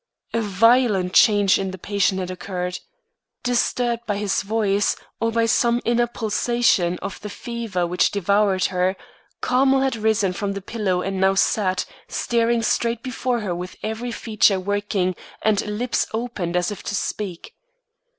A violent change in the patient had occurred. Disturbed by his voice or by some inner pulsation of the fever which devoured her, Carmel had risen from the pillow and now sat, staring straight before her with every feature working and lips opened as if to speak.